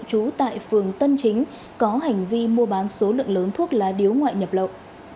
trú tại phường tân chính có hành vi mua bán số lượng lớn thuốc lá điếu ngoại nhập lậu